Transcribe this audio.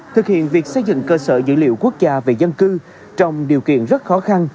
thực hiện việc xây dựng cơ sở dữ liệu quốc gia về dân cư trong điều kiện rất khó khăn